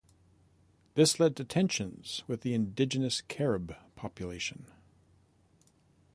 This led to tensions with the indigenous Carib population.